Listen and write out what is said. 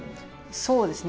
そうですね。